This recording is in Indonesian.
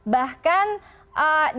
bahkan di dua tahun